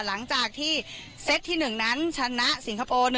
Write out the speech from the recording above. หลังจากที่เซตที่๑นั้นชนะสิงคโปร์๑